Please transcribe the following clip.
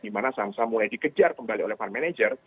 dimana sangsa mulai dikejar kembali oleh fund manager